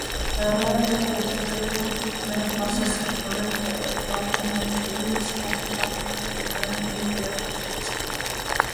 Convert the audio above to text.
Ռաւէլի երկերուն մեծ մասը սերտօրէն կ՛առնչուի սպանական թեմատիկային եւ երաժշտութեանը։